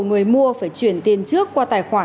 người mua phải chuyển tiền trước qua tài khoản